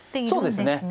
そうですね。